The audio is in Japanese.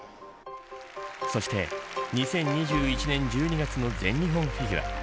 そして２０２１年１２月の全日本フィギュア。